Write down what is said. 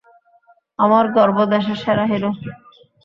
আমার গর্ব, দেশের সেরা হিরো।